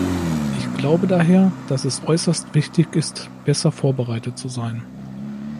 Ich glaube daher, dass es äußerst wichtig ist, besser vorbereitet zu sein.